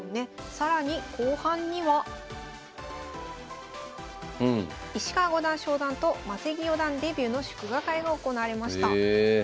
更に石川五段昇段と柵木四段デビューの祝賀会が行われました。